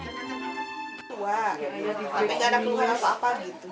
dua tapi tidak ada keluar apa apa gitu